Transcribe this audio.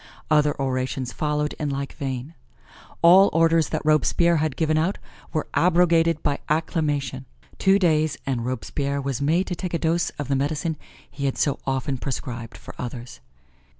Other orations followed in like vein. All orders that Robespierre had given out were abrogated by acclamation. Two days and Robespierre was made to take a dose of the medicine he had so often prescribed for others.